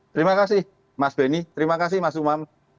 terima kasih mas benny terima kasih mas umam